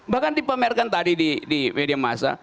bahkan dipamerkan tadi di media masa